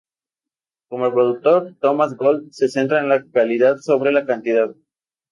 Como productor, Thomas Gold se centra en la calidad sobre la cantidad.